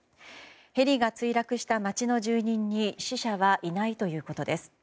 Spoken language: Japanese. ヘリが墜落した街の住民に死者はいないということです。